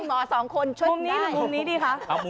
หมอสองคนช่วงไหนมุมนี้หรือมุมนี้ดีคะ